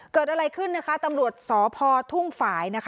เกิดอะไรขึ้นนะคะตำรวจสพทุ่งฝ่ายนะคะ